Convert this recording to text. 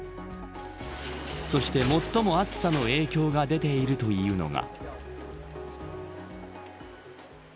そして、最も暑さの影響が出ているというのが。